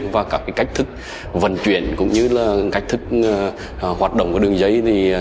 và các cách thức vận chuyển cũng như cách thức hoạt động của đường giấy